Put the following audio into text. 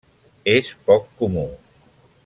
És poc comú.